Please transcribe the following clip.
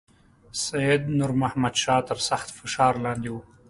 سید نور محمد شاه تر سخت فشار لاندې وو.